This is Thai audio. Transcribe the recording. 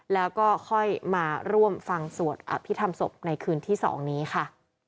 แล้วก็ค่อยมาร่วมฟังสวดอภิษฐรรมศพในคืนที่๒นี้ค่ะ